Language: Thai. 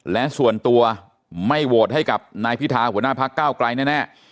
และส่วนตัวไม่โหวตให้กับนายพิธาหัวหน้าพักเก้าไกลแน่